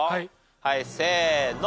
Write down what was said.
はいせーの。